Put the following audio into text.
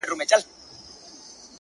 ته بچی د بد نصیبو د وطن یې -